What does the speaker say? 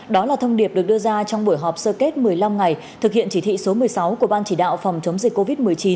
đó là thông điệp được đưa ra trong buổi họp sơ kết một mươi năm ngày thực hiện chỉ thị số một mươi sáu của ban chỉ đạo phòng chống dịch covid một mươi chín